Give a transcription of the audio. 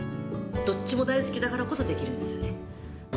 どっちも大好きだからこそできるんですよね。